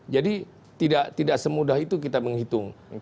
jadi tidak semudah itu kita menghitung